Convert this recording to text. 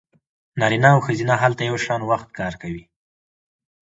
نارینه او ښځینه هلته یو شان وخت کار کوي